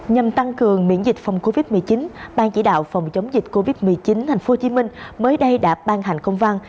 nhằm tăng cường miễn dịch phòng covid một mươi chín ban chỉ đạo phòng chống dịch covid một mươi chín tp hcm mới đây đã ban hành công văn